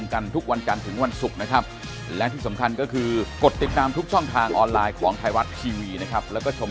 ขอบคุณครับ